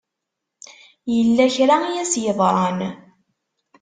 Yella kra i as-yeḍran.